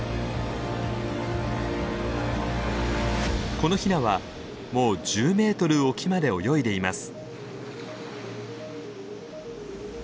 このヒナはもう１０メートル沖まで泳いでいます。